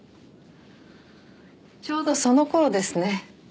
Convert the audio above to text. ちょうどその頃ですね。